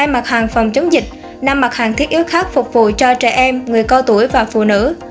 hai mặt hàng phòng chống dịch năm mặt hàng thiết yếu khác phục vụ cho trẻ em người cao tuổi và phụ nữ